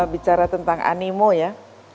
bicara tentang animo ya